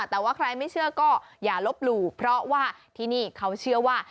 แต่ว่าใครไม่เชื่อก็อย่าลบหลู่เพราะว่าที่นี่เขาเชื่อว่า